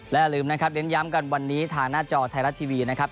และอย่าลืมนะครับเน้นย้ำกันวันนี้ทางหน้าจอไทยรัฐทีวีนะครับ